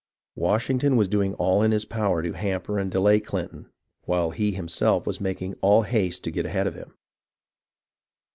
Washington was doing all in his power to hamper and delay Clinton, while he himself was making all haste to get ahead of him.